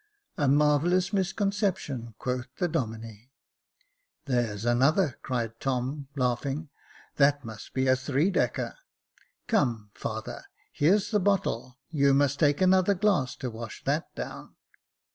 " A marvellous misconception," quoth the Domine. There's another," cried Tom, laughing ;" that must be a three decker. Come, father, here's the bottle, you must take another glass to wash that down."